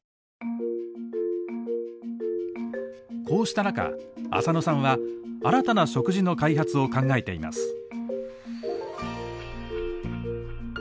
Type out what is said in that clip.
こうした中浅野さんは新たな食事の開発を考えています。